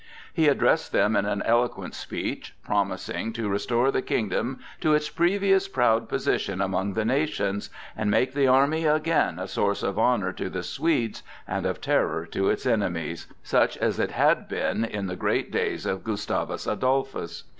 He addressed them in an eloquent speech, promising to restore the kingdom to its previous proud position among the nations and make the army again a source of honor to the Swedes and of terror to its enemies, such as it had been in the great days of Gustavus Adolphus.